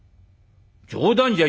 冗談じゃ。